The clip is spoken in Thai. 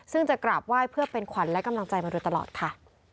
ซึ่งจะกราบไหว้เพื่อเป็นขวัญและกำลังใจมาโดยตลอดค่ะ